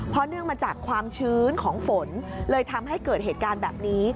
เพราะเนื่องมาจากความชื้นของฝนเลยทำให้เกิดเหตุการณ์แบบนี้